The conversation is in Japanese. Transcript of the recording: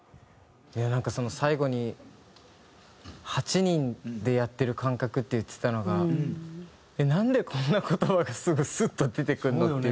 いやなんか最後に「８人でやってる感覚」って言ってたのがなんでこんな言葉がすぐスッと出てくるのっていう。